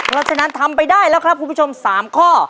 เพราะฉะนั้นทำไปได้แล้วครับคุณผู้ชม๓ข้อ